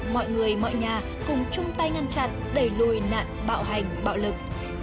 mọi người mọi nhà cùng chung tay ngăn chặn đẩy lùi nạn bạo hành bạo lực